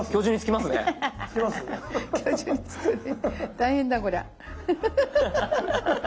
大変だこりゃ。